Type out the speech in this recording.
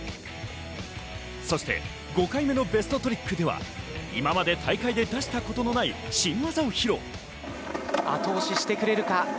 そして５回目のベストトリックでは今まで大会で出したことのない新技を披露。